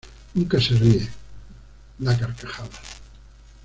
Nunca se ríe, da carcajadas.